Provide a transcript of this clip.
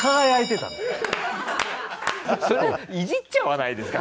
それいじっちゃわないですか？